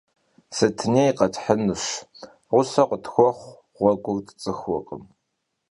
Setenêy khethınuş, ğuse khıtxuexhu, ğuegur tts'ıxurkhım.